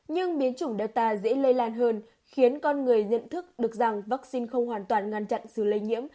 nhưng biến chủng delta dễ lây lan hơn khiến con người nhận thức được rằng vaccine không hoàn toàn ngăn chặn sự lây nhiễm